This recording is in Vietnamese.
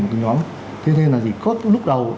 một nhóm thế nên là có lúc đầu